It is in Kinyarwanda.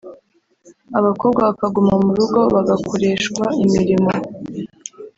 abakobwa bakaguma mu rugo bagakoreshwa imirimo